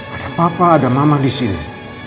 ada papa ada mama di sini